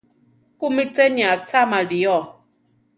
¿Kúmi cheni acháma lío?